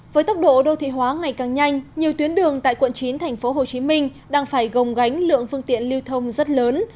với tốc độ đô thị hóa ngày càng nhanh nhiều tuyến đường tại quận chín tp hcm đang phải gồng gánh lượng phương tiện lưu thông rất lớn